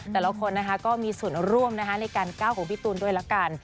แต่ละคนนะคะก็มีส่วนร่วมในการก้าวของพี่ตูนด้วยละกัน